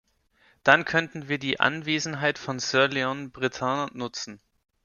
Dann könnten wir die Anwesenheit von Sir Leon Brittan nutzen.